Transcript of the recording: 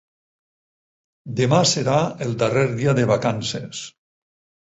Demà serà el darrer dia de vacances.